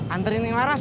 antri ini laras